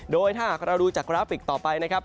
โดยถ้าหากเราดูจากกราฟิกต่อไปนะครับ